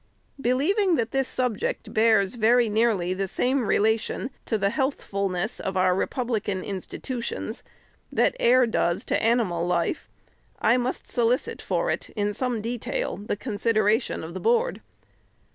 Believing that this subject bears very nearly the same relation to the healthfulness of our republican institu tions that air does to animal life, I must solicit for it, iu ; ome detail, the consideration of the Board.